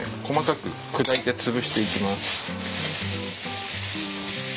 細かく砕いて潰していきます。